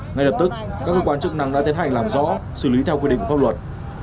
ngay lập tức các cơ quan chức năng đã tiến hành làm rõ xử lý theo quy định pháp luật